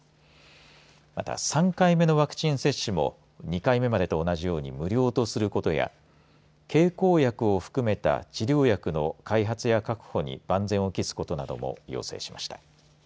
また、３回目のワクチン接種も２回目までと同じように無料とすることや経口薬を含めた治療薬の開発や確保に万全を期すことなども要請しました。